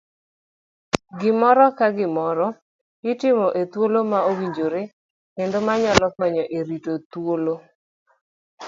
Gimoro ka moro itimo e thuolo ma owinjore kendo manyalo konyo e rito thuolo.